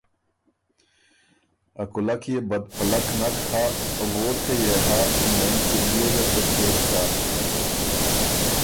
ا کولک يې بدپلک نک هۀ، ووړکئ يې هۀ، مېن سُو بيې ګه سِر کېک سۀ۔